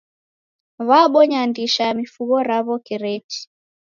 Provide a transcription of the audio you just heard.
W'abonya ndisha ya mifugho raw'o kireti.